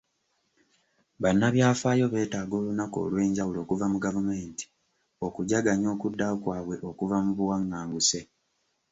Bannabyafaayo beetaaga olunaku olw'enjawulo okuva mu gavumenti okujaganya okudda kwabwe okuva mu buwanganguse.